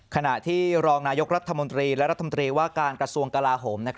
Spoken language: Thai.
ขณะที่รองนายกรัฐมนตรีและรัฐมนตรีว่าการกระทรวงกลาโหม